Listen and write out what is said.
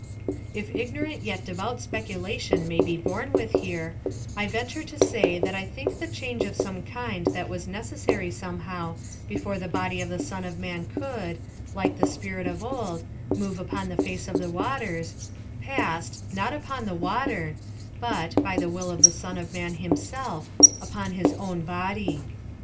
If ignorant yet devout speculation may be borne with here, I venture to say that I think the change of some kind that was necessary somehow before the body of the Son of Man could, like the Spirit of old, move upon the face of the waters, passed, not upon the water, but, by the will of the Son of Man himself, upon his own body.